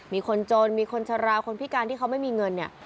มีคนจนมีคนชะลาคนพิการที่เขาไม่มีเงินเนี่ย